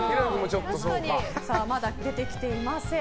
まだ出てきていません。